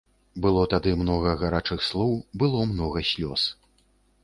Было тады многа гарачых слоў, было многа слёз.